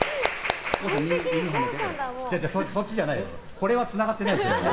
これはつながってないです。